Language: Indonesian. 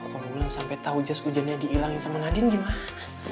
kalau gue udah sampe tau just ujannya diilangin sama nadin gimana